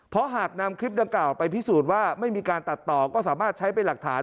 เพราะหากนำคลิปดังกล่าวไปพิสูจน์ว่าไม่มีการตัดต่อก็สามารถใช้เป็นหลักฐาน